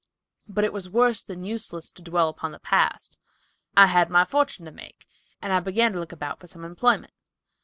But it was worse than useless to dwell upon the past. I had my fortune to make, and I began to look about for some employment.